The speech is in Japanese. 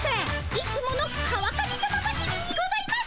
いつもの川上さま走りにございます。